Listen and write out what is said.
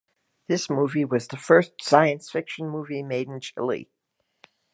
This movie was the first science fiction movie made in Chile.